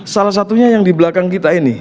salah satunya yang di belakang kita ini